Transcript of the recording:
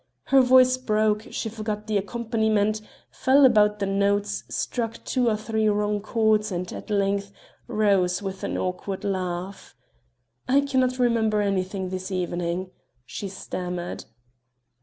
Her voice broke; she forgot the accompaniment; felt about the notes, struck two or three wrong chords and at length rose with an awkward laugh: "I cannot remember anything this evening!" she stammered.